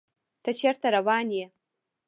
ته چیرته روان یې؟